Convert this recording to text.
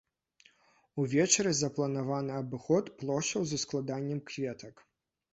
Увечары запланаваны абыход плошчаў з ускладаннем кветак.